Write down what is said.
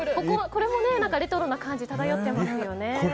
これもレトロな感じ漂ってますね。